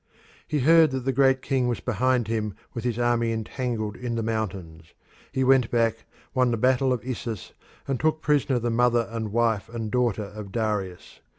He heard that the Great King was behind him with his army entangled in the mountains. He went back, won the battle of Issus, and took prisoner the mother and wife and daughter of Darius.